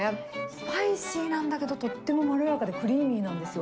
スパイシーなんだけど、とってもまろやかでクリーミーなんですよ。